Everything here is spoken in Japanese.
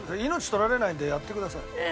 命取られないんでやってください。